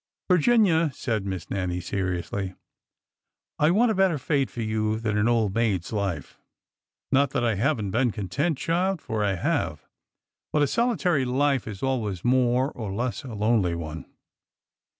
Virginia," said Miss Nannie, seriously, " I want a better fate for you than an old maid's life. Not that I have n't been content, child, for I have ; but— a solitary life is always more or less a lonely one."